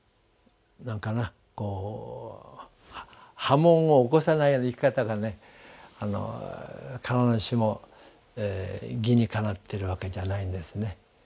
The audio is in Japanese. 波紋を起こさないような生き方が必ずしも義にかなってるわけじゃないんですね。